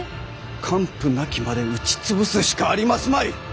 完膚なきまで打ち潰すしかありますまい。